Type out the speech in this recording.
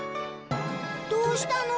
どうしたの？